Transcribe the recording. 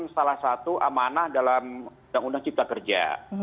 salah satu amanah dalam undang undang cipta kerja